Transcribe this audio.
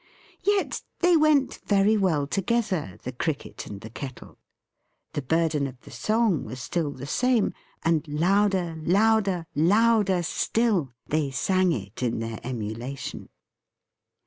Yet they went very well together, the Cricket and the Kettle. The burden of the song was still the same; and louder, louder, louder still, they sang it in their emulation.